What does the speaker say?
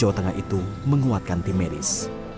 jawa tengah itu menguatkan tim medis